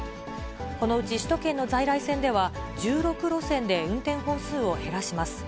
このうち首都圏の在来線では、１６路線で運転本数を減らします。